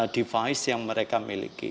device yang mereka miliki